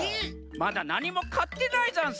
まだなにもかってないざんす。